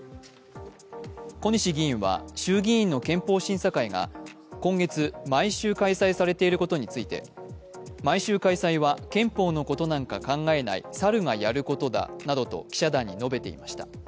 小西議員は、衆議院の憲法審査会が今月、毎週開催されていることについて毎週開催は憲法のことなんか考えない猿がやることだなどと記者団に述べていました。